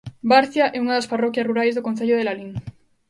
Barcia é unha das parroquias rurais do concello de Lalín.